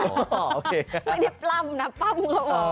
ไม่ได้ปลำนะปลำก็พอ